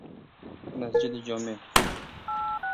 مسجدجامع